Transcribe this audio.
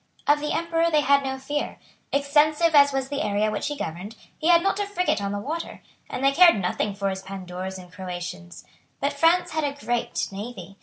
Of the Emperor they had no fear. Extensive as was the area which he governed, he had not a frigate on the water; and they cared nothing for his Pandours and Croatians. But France had a great navy.